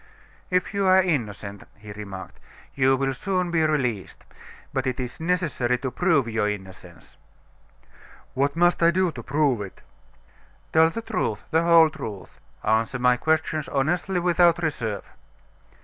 "If you are innocent," he remarked, "you will soon be released: but it is necessary to prove your innocence." "What must I do to prove it?" "Tell the truth, the whole truth: answer my questions honestly without reserve."